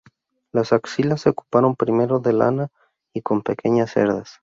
Las axilas se ocuparon primero de lana y con pequeñas cerdas.